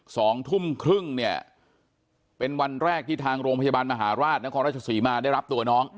สองทุ่มครึ่งเนี่ยเป็นวันแรกที่ทางโรงพยาบาลมหาราชนครราชศรีมาได้รับตัวน้อง